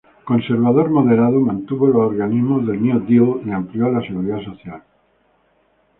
Conservador moderado, mantuvo los organismos del New Deal y amplió la Seguridad Social.